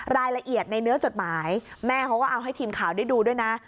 รายละเอียดในเนื้อจดหมายแม่เขาก็เอาให้ทีมข่าวได้ดูด้วยนะ